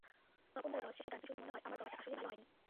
তপনদার voice শেষে গানটি শুনে মনে হয়, আমার গাওয়াটা আসলেই ভালো হয়নি।